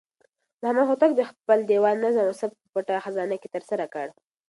محمد هوتک د خپل دېوان نظم او ثبت په پټه خزانه کې ترسره کړ.